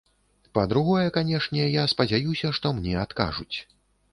Па-другое, канешне, я спадзяюся, што мне адкажуць.